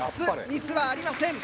ミスはありません。